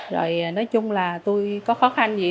rồi nói chung là tôi có khó khăn gì